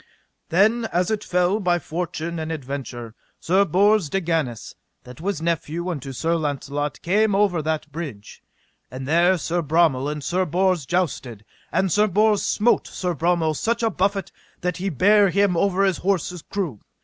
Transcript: Then as it fell by fortune and adventure, Sir Bors de Ganis, that was nephew unto Sir Launcelot, came over that bridge; and there Sir Bromel and Sir Bors jousted, and Sir Bors smote Sir Bromel such a buffet that he bare him over his horse's croup.